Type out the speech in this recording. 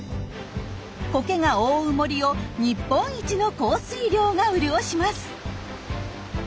コケが覆う森を日本一の降水量が潤します。